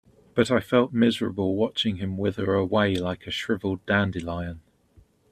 But I felt miserable watching him wither away like a shriveled dandelion.